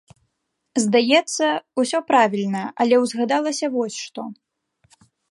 Здаецца, усё правільна, але ўзгадалася вось што.